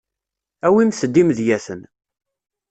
Awimt-d imedyaten.